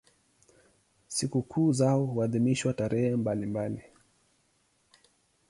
Sikukuu zao huadhimishwa tarehe mbalimbali.